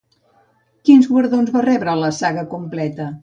Quins guardons va rebre la saga completa?